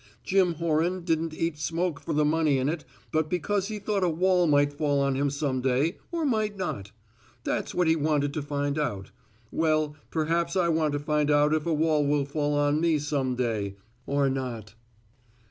Jim Horan didn't eat smoke for the money in it, but because he thought a wall might fall on him some day or might not. That's what he wanted to find out. Well, perhaps I want to find out if a wall will fall on me some day or not."